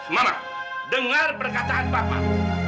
mama dengar perkataan bapak